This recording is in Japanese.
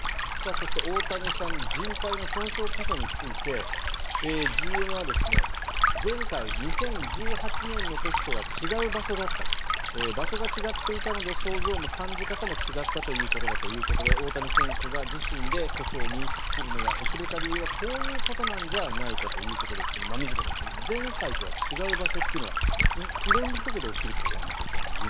そして、大谷さんのじん帯の損傷箇所についてＧＭは前回２０１８年の時とは違う場所だった場所が違っていたので症状も感じ方も違ったということだということで大谷選手が自身で故障を認識するのが遅れた理由はこういうことなんじゃないかということですが馬見塚さん前回とは違う場所というのは色んなところで起きるということですか。